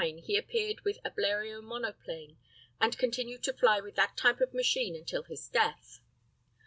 ] At Rheims, in 1909, he appeared with a Bleriot monoplane, and continued to fly with that type of machine until his death.